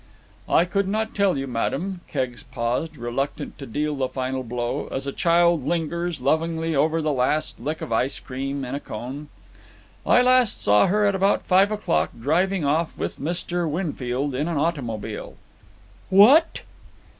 "I could not tell you, madam." Keggs paused, reluctant to deal the final blow, as a child lingers lovingly over the last lick of ice cream in a cone. "I last saw her at about five o'clock, driving off with Mr. Winfield in an automobile." "What!"